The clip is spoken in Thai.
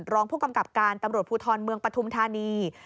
รองผู้กำกับการตำรวจภูทรเมืองปฐุมธานี